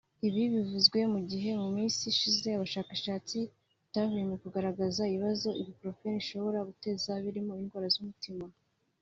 Ibi bivuzwe mu gihe mu minsi ishize abashakashatsi batahwemye kugaragaza ibibazo Ibuprofen ishobora guteza birimo indwara z’umutima